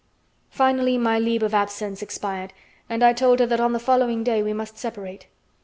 Finally my leave of absence expired, and I told her that on the following day we must separate.